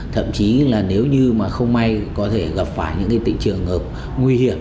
thậm chí là nếu như mà không may có thể gặp phải những trường hợp nguy hiểm